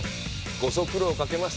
ご足労かけます。